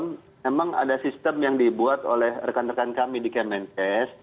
memang ada sistem yang dibuat oleh rekan rekan kami di kemenkes